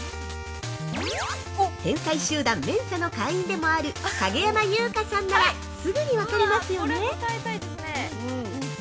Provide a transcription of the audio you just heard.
天才集団、ＭＥＮＳＡの会員でもある影山優佳さんならすぐに分かりますよね？